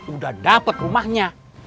udah dapet rumahnya